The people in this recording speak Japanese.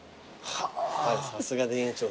さすが田園調布。